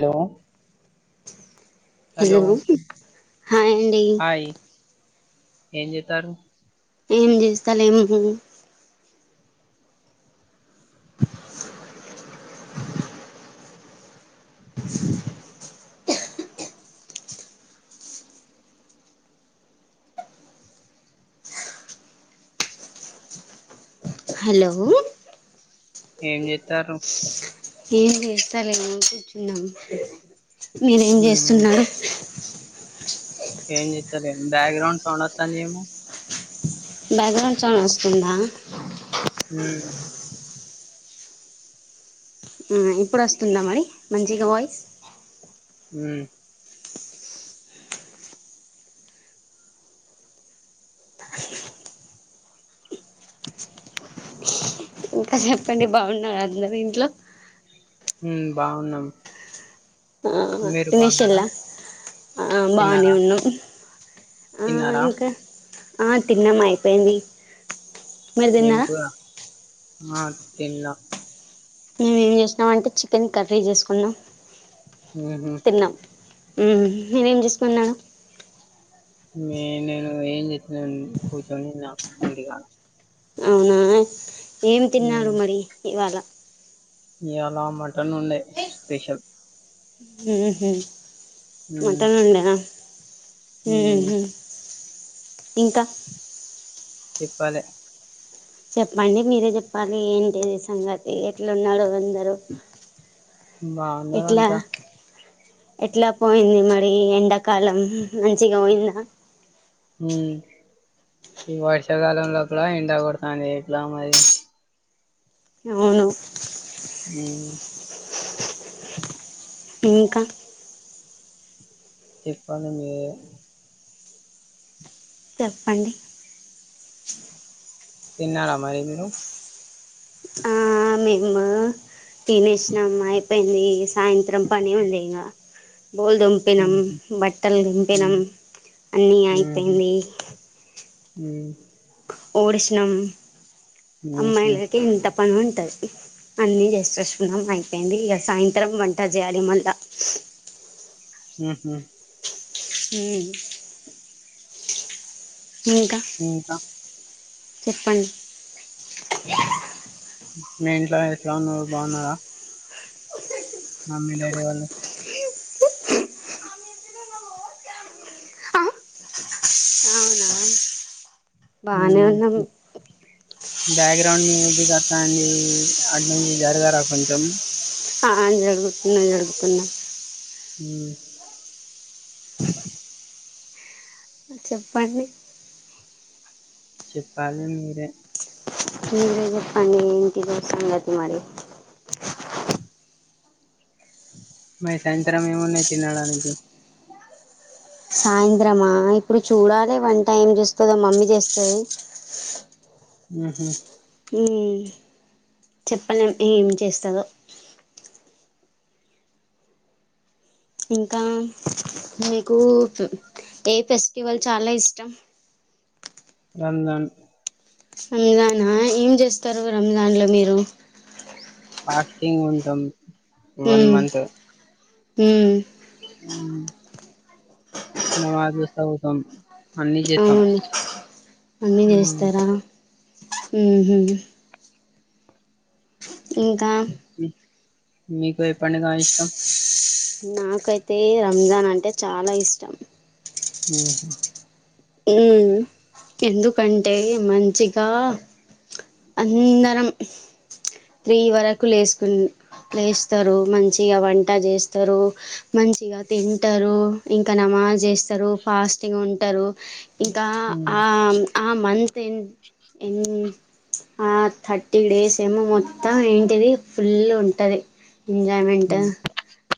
Hello hello hi అండి hi ఏం జతారు ఏం చేస్తాలేము [inaudible] [inaudible] హలో ఏం చెతారు ఏం చేస్తాలేము కూర్చున్నాం మీరు ఏం ఉమ్ చేస్తున్నారు ఏం చేస్తలేము బ్యాక్గ్రౌండ్ సౌండ్ వస్తంది ఏమో బాక్గ్రౌండ్ సౌండ్ వస్తుందా ఊ ఊ ఇప్పుడు వస్తుందా మరి మంచిగా వాయిస్ ఊ ఇంకా చెప్పండి బావున్నారా అందరూ ఇంట్లో ఉమ్ బావున్నం ఆ ఫినిషెల్ల ఆ బానే తిన్నారా ఆ తిన్నారా ఇంకా ఆ తిన్నాం అయిపోయింది మీరు ఏం తిన్నారా కూర ఆ తిన్లా మేమేం చేసినాం అంటే చికెన్ కర్రీ చేసుకున్నా ఏహే ఊ మీరేం చేసుకున్నారు నే నేను ఏం చేసుకున్నా [unintelligible] అవునా ఏం తిన్నారు మరి ఇవాళ ఇయాళ మటన్ ఉండే స్పెషల్ ఊహూ ఉమ్ వంటయ్యిందా ఉమ్ ఊహూ ఇంకా చెప్పాలె చెప్పండి మీరే చెప్పాలి ఏంటి సంగతి ఎట్లున్నారు [inaudible] ఎట్లా బాగున్నారంతా ఎట్లా పోయింది మరి ఎండాకాలం మంచిగా బోయిందా ఊ ఈ వర్షాకాలంలో కూడా ఎండగొడుతాంది ఇట్లా మరి అవును ఊ ఇంకా చెప్పాల మీరే చెప్పండి తిన్నారా మరి మీరు ఆ మేమా తినేసినాం ఐ పోయింది సాయంత్రం పని ఉంది ఇంగా బౌల్ దొంపినం ఉహు బట్టలు దుంపినం ఉమ్, అన్నీ అయిపోయిని ఊ ఓడిసినం ఉహు అమ్మాయిలకి ఇంత పని ఉంటది అన్నీ చేసివచ్చినం అయిపోయింది ఇగ సాయంత్రం వంట జెయ్యాలి మల్ల ఊహూ ఊ ఇంకా ఇంకా చెప్పండి మీ ఇంట్లో ఎట్లా ఉన్నారు బావున్నారా మమ్మీ డాడీ వాళ్ళు ఆ అవునా బానే ఉమ్ ఉన్నాం బ్యాక్గ్రౌండ్ మ్యూసిక్ అత్తాంది అటు నుంచి జరగరా కొంచెం ఆ జరుగుతున్నా జరుగుతున్నా ఊ చెప్పండి చెప్పాలి మీరే మీరే జెప్పండి ఏంటిదో సంగతి మరి మరి సాయంత్రం ఏమున్నాయి తినడానికి సాయంత్రమా ఇప్పుడు చూడాలి వన్ టైమ్ చూస్తుంద మమ్మీ చేస్తాది హుహ్మ్ ఊ చెప్పలే ఏం చేస్తదో ఇంకా మీకు ఏ ఫెస్టివల్ చాలా ఇష్టం రంజాన్ రంజానా ఏం చేస్తారు రంజాన్లో మీరు ఫాస్టింగ్ ఉంటాం వన్ మంత్ ఊ ఊ నమాజ్ చేస్తా పోతాం ఊ నమాజ్ హ్మ్ చేస్తారా హుహ్మ్ ఇంకా హ్మ్ మీకు ఏ పండుగ ఇష్టం నాకైతే రంజాన్ అంటే చాలా ఇష్టం హు హ్మ్ ఉ ఎందుకంటే మంచిగా అందరం త్రీ వరకు లేసుకుని లేస్తారు మంచిగా వంట చేస్తారు మంచిగా తింటారు ఇంకా నమ ఆ చేస్తారు ఫాస్టింగ్ ఉంటారు ఇంకా హ్మ్ ఆ మంత్ ఎం ఎం ఆ థర్టీన్ డేస్ ఏమో మొత్తం ఏంటిది ఫుల్ గ ఉంటది ఎంజాయ్మెంట్ హ్మ్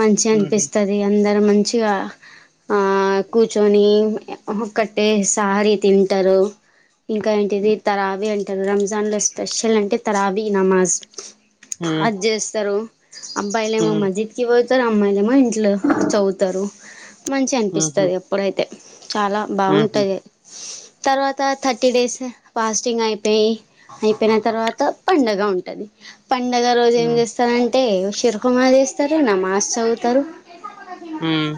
మంచి ఊహూ అనిపిస్తది అందరు మంచిగా ఆ కూర్చొని ఒకటే సారి తింటారు ఇంకా ఏంటిది తరావి అంటారు రం దానిలో స్పెషల్ అంటే తరావి నమాజ్ హ్మ్ అది చేస్తార అబ్బాయిలేమో హ్మ్ మస్జిద్కి పోతారు అమ్మాయిలేమో ఇంట్లో చదువుతారు మంచిగ ఊహూ అనిపిస్తది అప్పుడైతే చాలా ఊహూ బాగుంటది తర్వాత థర్టీ డేస్ ఫాస్టింగ్ అయిపోయి అయిపోయిన తర్వాత పండగ ఉంటది పండగ రోజు ఏం హ్మ్ చేస్తనంటే చిరుకుమాది వేస్తారు నామాస్ చదువుతారు హ్మ్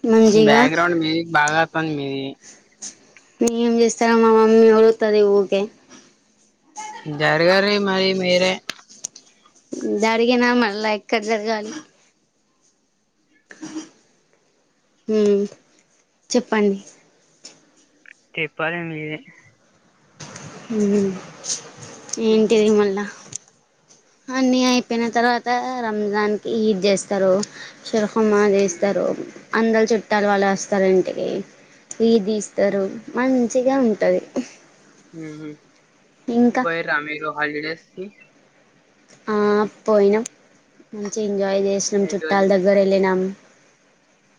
ఊ బ్యాక్ గ్రౌండ్ మీది బాగా వత్తాంది మీది ఏం చేస్తా మా మమ్మీ అరుత్తది ఊరికే జరగర్రి మరి మీరే జరిగినా మళ్ళా ఎక్కడ జరగాలి ఊ చెప్పండి చెప్పాలి మీరె ఊ హ్మ్ హ్మ్ ఏంటిది మళ్ల అన్నీ అయిపోయిన తర్వాత రంజాన్కి ఈద్ చేస్తారు షిరఖమాదిస్తారు. అందరు చుట్టాలు వాళ్ళు వస్తారు ఇంటికి ఇదిస్తారు మంచిగా ఉంటది ఊహు ఇంకా పోయిర్రా మీరు హాలిడేస్కి ఆ పోయినాం మంచిగ ఎంజాయ్ చేసినాం ఎటు చుట్టాల వెళ్ళి దగ్గర వెళ్ళినాం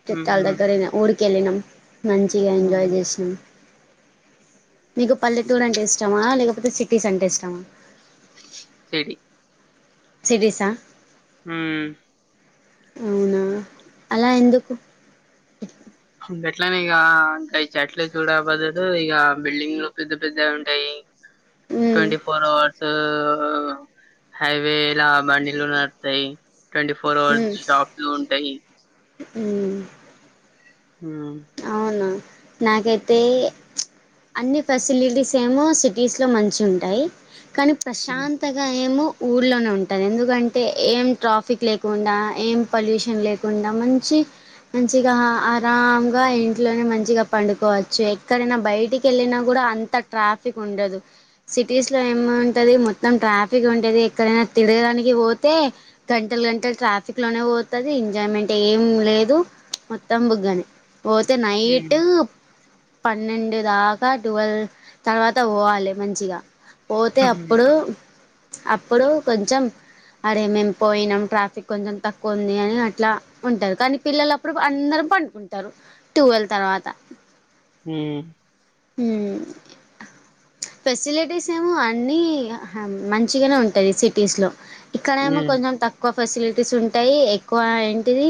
చట్టాల ఊహూ దగ్గరపోయిన ఊరికెళ్ళినాం మంచిగా ఎంజాయ్ ఊహూ చేసినాం నీకు పల్లెటూరు అంటే ఇష్టమా లేకపోతే సిటీస్ అంటే ఇష్టమా సిటీ సిటీస్ ఆ హుమ్మ్ అవునా అలా ఎందుకు గట్లనే ఇగ గై చెట్ల చూడబడదు ఇక బిల్డింగ్లు పెద్ద పెద్దయి ఉంటాయి ఉమ్ ట్వంటీఫోర్ అవర్స్ హైవేలా బండిలు నడుత్తయ్ ట్వంటీ ఫోర్ అవర్స్ షాప్లు ఉంటాయి హుమ్మ్ హ్మ్ అవునా నాకైతే అన్ని ఫెసిలిటీస్ ఏమో సిటీస్ లో మంచిగా ఉంటాయి కానీ ప్రశాంతగా ఏమో ఊర్లోనే ఉంటాది. ఎందుకంటే ఏం ట్రాఫిక్ లేకుండా ఏం పొల్యూషన్ లేకుండా మంచి మంచిగా ఆరాం.. గా ఇంట్లోనే మంచిగా పండుకోవచ్చు. ఎక్కడైనా బయటికి వెళ్ళిన కూడా అంత ట్రాఫిక్ ఉండదు. సిటీస్ లో ఏమి ఉంటది మొత్తం ట్రాఫిక్ ఉంటది ఎక్కడైనా తిరగడానికి పోతే గంట గంటలు ట్రాఫిక్ లోనే పోతాది. ఎంజాయ్మెంట్ ఏం లేదు మొత్తం బుగ్గనే పోతే హ్మ్ నైట్ పన్నెండు దాకా ట్వీల్వ్ తర్వాత పోవాలే మంచిగా. పోతే హ్మ్ అప్పుడు అప్పుడు కొంచెం అరే మేము పోయినాం ట్రాఫిక్ కొంచెం తక్కువ ఉంది అని అట్లా ఉంటాది. కానీ పిల్లలప్పుడు అందరు పడుకుంటారు ట్వీల్వ్ తర్వాత [inaudible] ఫెసిలిటీస్ ఏమో అన్ని మంచిగానే ఉంటాది సిటీస్ లో ఇక్కడ ఏమో హ్మ్ కొంచెం తక్కువ ఫెసిలిటీస్ ఉంటాయి ఎక్కువ ఏంటిది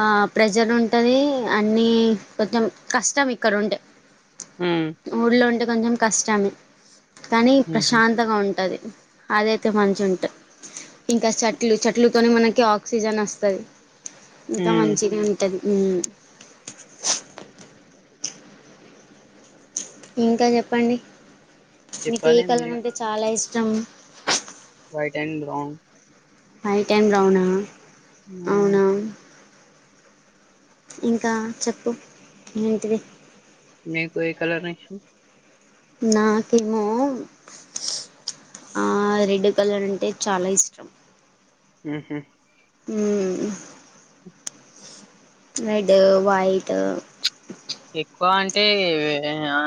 ఆ ప్రెజర్ ఉంటది అన్ని కొంచెం కష్టం ఇక్కడ ఉంటే హ్మ్ ఊర్లో ఉంటే కొంచెం కష్టమే కానీ హ్మ్ ప్రశాంతంగా ఉంటాది. అదైతే మంచి ఉంటు ఇంకా చెట్లు చెట్లతోనే మనకి ఆక్సిజన్ వస్తాది. ఇంకా హ్మ్ మంచిగా ఉంటది హ్మ్మ్ ఇంకా చెప్పండి నీకు ఏ చెప్పాలి మీరే కలర్ అంటే చాలా ఇష్టం. White and brown white and బ్రౌన్అ ఉమ్ ఇంకా చెప్పు ఏంటిది. మీకు ఏ కలర్ ఇష్టం నాకేమో ఆ రెడ్ కలర్ అంటే చాలా ఇష్టం. హుహు ఉమ్ రెడ్ వైట్ ఎక్కువ అంటే అ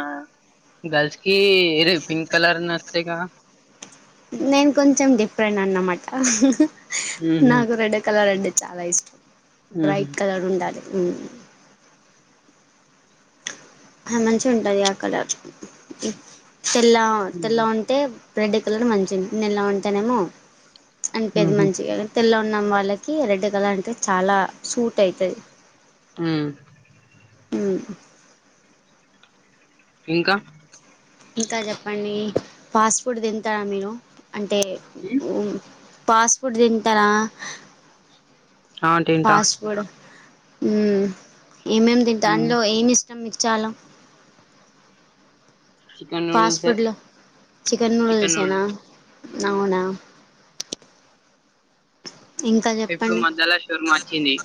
గర్ల్సకి ఇదే పింక్ కలర్ నచ్చుతాది. కదా నేను కొంచెం డిఫరెంట్ అన్నమాట హాహా ఊహూ నాకు రెడ్ కలర్ అంటే చాలా ఇష్టం ఊహూ బ్రైట్ కలర్ ఉండాలి. అది మంచిగా ఉంటది ఆ కలర్ తెల్ల తెల్ల ఊహూ ఉంటే. రెడ్ కలర్ మంచిది నల్ల ఉంటానేమో అనిపియ్యదు. ఊహూ మంచిగా తెల్ల ఉన్నాం వాళ్ళకి రెడ్ కలర్ అంటే చాలా సూట్ అయితది ఉమ్ మ్ ఇంక ఇంకా చెప్పండి ఫాస్ట్ ఫుడ్ తింటరా మీరు అంటే హ్మ్ ఉమ్ ఫాస్ ఫుడ్ తింటారా ఆ తింటా ఫాస్ ఫుడ్ ఉమ్ ఏమేం తింట హ్మ్ అంద్లో ఏమి ఇష్టం మీకు చాలా చికెన్ ఫాస్ట్ నూడిల్సే ఫుడ్లో చికెన్ నూడిల్సేనా నవునా ఇంకా ఇప్పుడు చెప్పండి మధ్యల శౌర్మ అచ్చింది.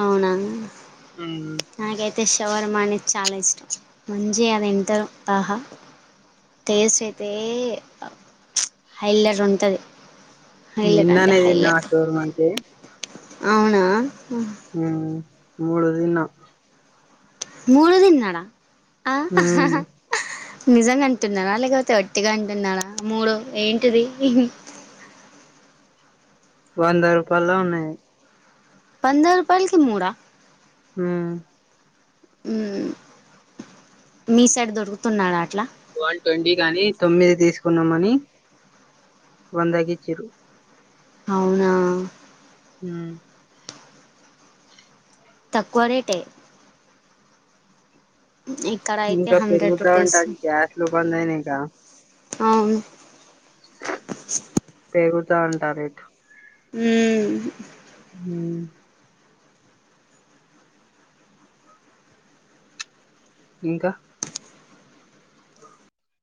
అవునా ఉమ్ తే శవర్మనే చాలా ఇష్టం మంచిగా తింటాం ఆహా టేస్ట్ అయితే అ హైలర్ ఉంటాది నిన్ననేదిన్న షోర్మైతే అవునా మ్ మూడు తిన్న మూడు తిన్నారా అ మ్మ్ నిజంగా అంటున్నారా లేకపోతే ఒట్టిగా అంటున్నారా మూడు ఏంటిది వంద రూపాలా ఉన్నాయి వంద రూపాల్కి మూడ ఉమ్ ఉమ్ మీ సైడ్ దొరుకుతున్నాడా అట్లా వన్ ట్వంటీ గాని తొమ్మిది తీసుకున్నాంమని వందగిచ్చిరు అవునా ఉమ్ తక్కువ రేటే ఇక్కడ అయితే ఇంకా హండ్రెడ్ పెరుగుతా రూపీస్ ఉంటా గ్యాస్లు బంద్ అయినాయిగా అవును పెగుత అంట రేట్ మ్మ్. హుం ఇంక